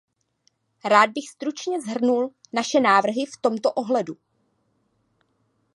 Rád bych stručně shrnul naše návrhy v tomto ohledu.